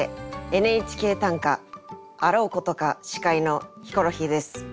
「ＮＨＫ短歌」あろうことか司会のヒコロヒーです。